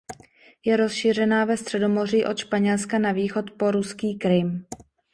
Je rozšířena ve Středomoří od Španělska na východ po ruský Krym.